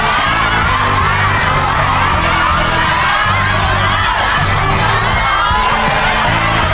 อีกถ้วยแล้วลูก